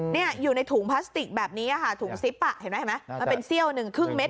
เนี่ยอยู่ในถุงพลาสติกแบบนี้อ่ะค่ะถุงซิปป่ะเห็นไหมมันเป็นเสี้ยว๑๕เม็ด